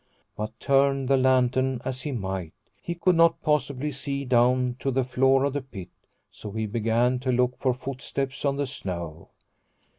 But, turn the lantern as he might, he could not possibly see down to the floor of the pit, so he began to look for footsteps on the snow.